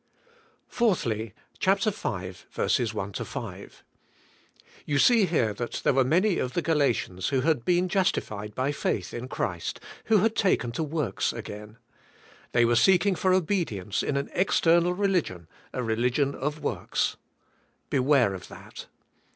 4. Chapter 5:1 5. You see here that there were many of the Galatians, who had been justified by faith in Christ, who had taken to works again. They were seeking for obedience in an external re lig ion, a religion of works. Beware of that.